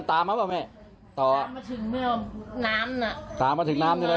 ตามมาถึงน้ำนี่เลย